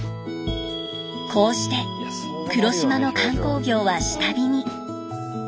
こうして黒島の観光業は下火に。